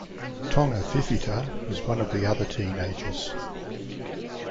Tonga Fifita was one of the other teenagers.